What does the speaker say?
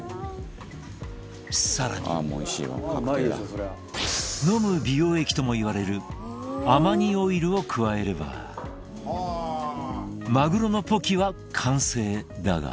更に、飲む美容液ともいわれるアマニオイルを加えればマグロのポキは完成だが。